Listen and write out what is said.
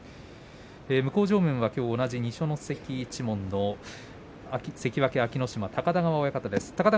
向正面は二所ノ関一門の関脇安芸乃島、高田川親方です。